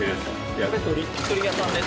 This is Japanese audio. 焼き鳥屋さんです。